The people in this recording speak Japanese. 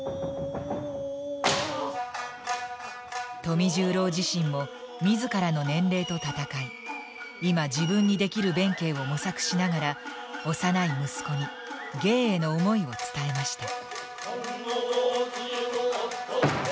富十郎自身も自らの年齢と闘い今自分にできる弁慶を模索しながら幼い息子に芸への想いを伝えました。